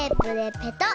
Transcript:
ペトッ。